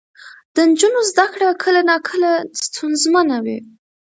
د نجونو زده کړه کله ناکله ستونزمنه وي.